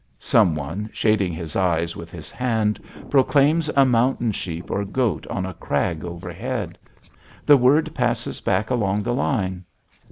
Some one, shading his eyes with his hand, proclaims a mountain sheep or goat on a crag overhead. The word passes back along the line.